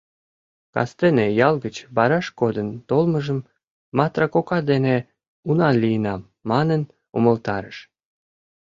Кастене ял гыч вараш кодын толмыжым «Матра кока дене уна лийынам» манын, умылтарыш.